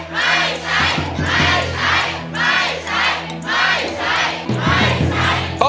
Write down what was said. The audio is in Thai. ไม่ใช้